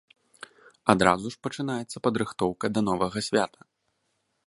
Адразу ж пачынаецца падрыхтоўка да новага свята.